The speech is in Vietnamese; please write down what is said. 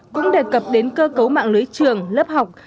cũng đề cập đến cơ cấu mạng lưới trường lớp học